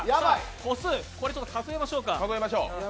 個数、数えましょうか。